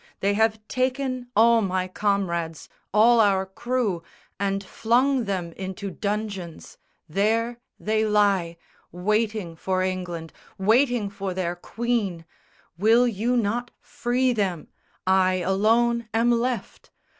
They have taken all my comrades, all our crew, And flung them into dungeons: there they lie Waiting for England, waiting for their Queen! Will you not free them? I alone am left!